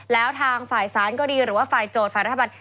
แล้วทางฝ่ายสารก็ดีหรือว่าฝ่ายโจทย์ฝ่ายรัฐบาล